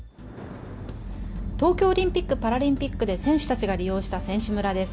東京オリンピック・パラリンピックで選手たちが利用した選手村です。